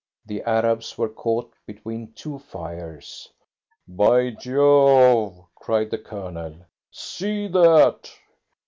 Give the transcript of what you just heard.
The Arabs were caught between two fires. "By Jove!" cried the Colonel. "See that!"